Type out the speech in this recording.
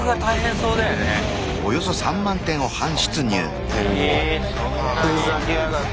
そんなに。